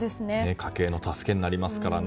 家計の助けになりますからね。